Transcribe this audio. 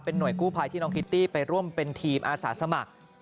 หน่วยกู้ภัยที่น้องคิตตี้ไปร่วมเป็นทีมอาสาสมัคร